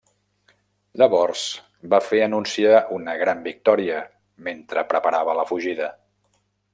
Llavors va fer anunciar una gran victòria mentre preparava la fugida.